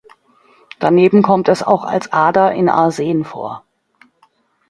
Daneben kommt es auch als Ader in Arsen vor.